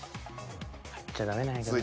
入っちゃダメなんやけどなぁ。